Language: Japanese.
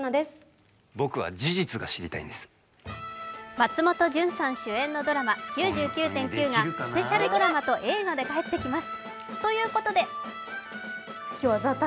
松本潤さん主演のドラマ「９９．９」がスペシャルドラマと映画で帰ってきます。